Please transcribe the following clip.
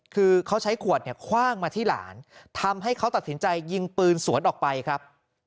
คือเขาใช้ขวดเนี่ยคว่างมาที่หลานทำให้เขาตัดสินใจยิงปืนสวนออกไปครับ